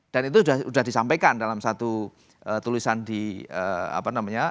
dan itu sudah disampaikan dalam satu tulisan di apa namanya